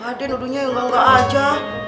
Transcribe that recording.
pak dek nuduhnya yang langka aja